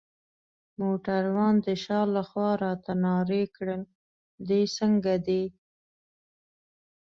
موټروان د شا لخوا راته نارې کړل: دی څنګه دی؟